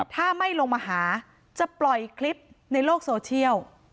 ถ้าไม่ลงมาหาจะปล่อยคลิปในโลกโซเชียล